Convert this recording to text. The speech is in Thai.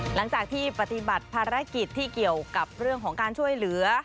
หลังจากที่ปฏิบัติภารกิจที่เกี่ยวกับเรื่องของการช่วยเหลือ